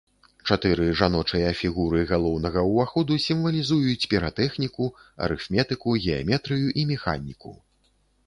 Чатыры жаночыя фігуры галоўнага ўваходу сімвалізуюць піратэхніку, арыфметыку, геаметрыю і механіку.